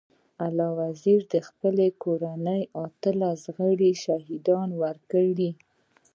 علي وزير د خپلي کورنۍ اتلس غړي شهيدان ورکړي.